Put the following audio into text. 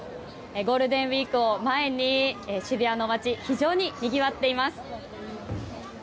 ゴールデンウィークを前に渋谷の街は非常ににぎわっています。